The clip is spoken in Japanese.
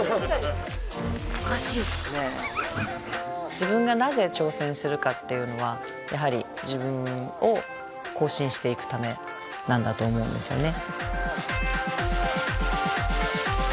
自分がなぜ挑戦するかっていうのはやはり自分を更新していくためなんだと思うんですよね。